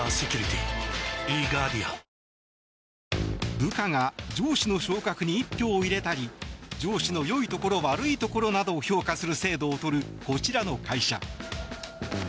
部下が上司の昇格に一票を入れたり上司の良いところ悪いところなどを評価する制度をとるこちらの会社。